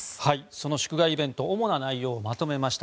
その祝賀イベント主な内容をまとめました。